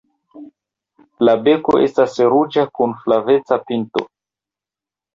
La beko estas ruĝa kun flaveca pinto.